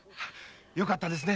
よかったですね